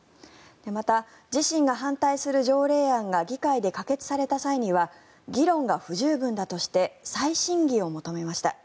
また、自身が反対する条例案が議会で可決された際には議論が不十分だとして再審議を求めました。